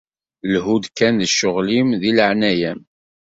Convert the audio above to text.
Lhu-d kan d ccɣel-im, deg leɛnaya-m.